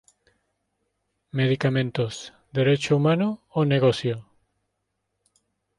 Medicamentos: ¿Derecho humano o negocio?